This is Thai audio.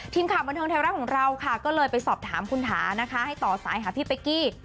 ทีมข่าวบันเทิงไทยรัฐของเราค่ะก็เลยไปสอบถามคุณถานะคะให้ต่อสายหาพี่เป๊กกี้